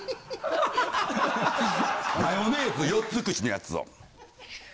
マヨネーズ４つ口のやつを。